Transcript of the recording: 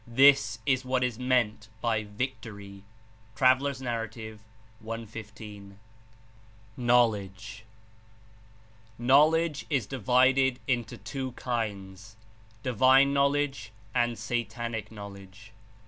This is what is meant by 'victory!' " (T. N. 115.) 02 KNOWLEDGE "Knowledge Is divided Into two kinds — divine knowledge and satanIc knowledge.